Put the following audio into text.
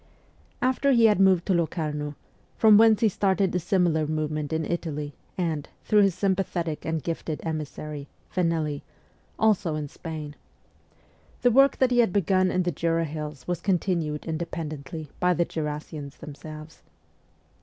After he had moved to Locarno from whence he started a similar movement in Italy and, through his sympathetic and gifted emissary, Fanelli, also in Spain the work that he had begun in the Jura hills was continued independently by the Jurassians themselves.